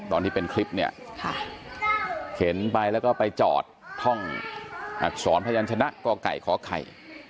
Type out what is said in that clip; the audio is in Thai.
ตอนที่เป็นคลิปเนี่ยเข็นไปแล้วก็ไปจอดท่องอักษรพยานชนะกไก่ขอไข่